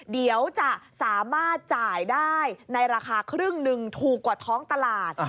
เดี๋ยวจะสามารถจ่ายได้ในราคาครึ่งหนึ่งถูกกว่าท้องตลาด